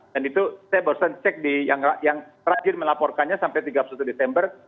dan itu saya bosen cek di yang rajin melaporkannya sampai tiga puluh satu desember